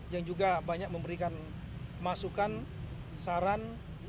yang juga banyak memberikan masukan saran